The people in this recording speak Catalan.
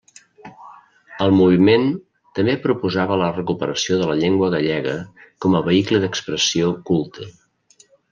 El moviment també proposava la recuperació de la llengua gallega com a vehicle d'expressió culte.